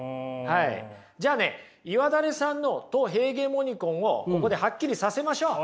じゃあね岩垂さんのト・ヘーゲモニコンをここではっきりさせましょう。